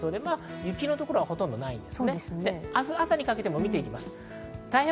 雪の所はほとんどないです。